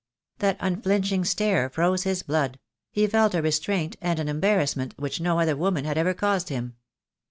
That unflinching stare froze his blood; he felt a restraint and an embarrassment which no other woman had ever caused him.